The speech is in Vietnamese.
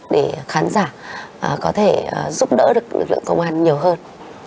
để khán giả có thể giúp đỡ được lực lượng công an nhiều hơn